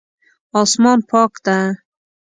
اسمان پاک ده